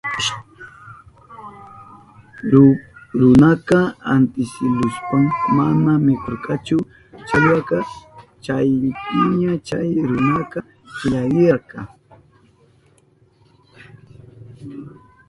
Runaka antsilushpan mana mikurkachu challwaka. Chaypiña chay runaka killarirka.